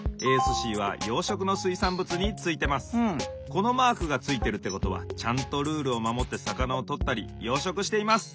このマークがついているってことはちゃんとルールをまもってさかなをとったり養殖しています！